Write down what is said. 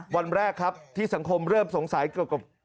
วันแรกครับที่สังคมเริ่มสงสัยเกี่ยวกับ